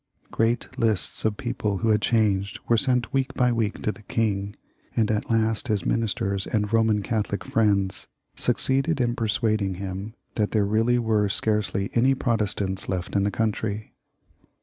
Great lists of people who had changed were sent week by week to the king, and at last his ministers and Eoman Catholic friends succeeded in persuading him that there really were scarcely any Protestants left in the country.